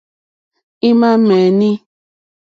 Ímá ŋmɛ̀ní.